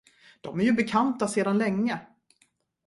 De är ju bekanta sedan länge.